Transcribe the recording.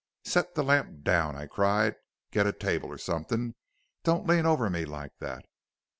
"'Set down the lamp,' I cried. 'Get a table something don't lean over me like that.'